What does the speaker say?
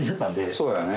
そうやね。